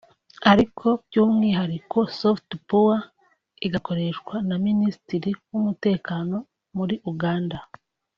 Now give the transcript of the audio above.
Ariko by’umwihariko SoftPower igakoreshwa na Minisitiri w’umutekano muri Uganda